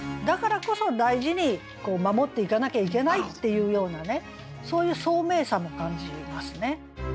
だからこそ大事に守っていかなきゃいけないっていうようなねそういう聡明さも感じますね。